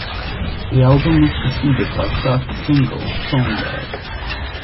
The album was preceded by first single "Songbird".